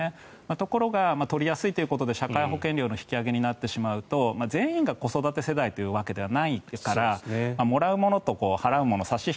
ところが取りやすいということで社会保険料の引き上げになってしまうと全員が子育て世代というわけではないからもらうものと払うもの